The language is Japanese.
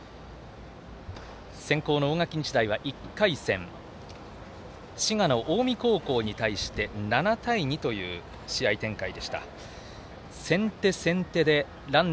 先攻の大垣日大は１回戦滋賀の近江高校に対して７対２という試合展開でした。